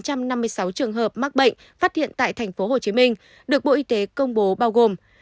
có bốn trăm năm mươi sáu chín trăm năm mươi sáu trường hợp mắc bệnh phát hiện tại tp hcm được bộ y tế công bố bao gồm